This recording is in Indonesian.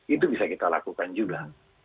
itu bisa kita lakukan juga